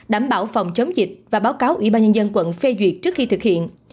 đảm bảo phòng chống dịch và báo cáo ủy ban nhân dân quận phê duyệt trước khi thực hiện